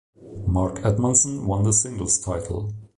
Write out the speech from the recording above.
Mark Edmondson won the singles title.